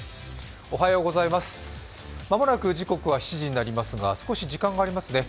間もなく時刻は７時になりますが少し時間がありますね。